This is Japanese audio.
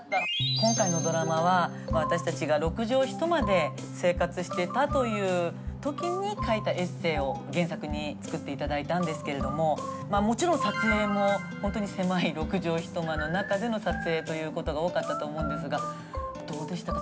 今回のドラマは私たちが６畳一間で生活していたという時に書いたエッセイを原作に作って頂いたんですけれどももちろん撮影も本当に狭い６畳一間の中での撮影ということが多かったと思うんですがどうでしたか？